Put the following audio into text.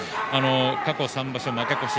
過去３場所、負け越し。